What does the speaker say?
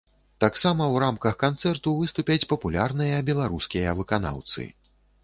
Таксама ў рамках канцэрту выступяць папулярныя беларускія выканаўцы.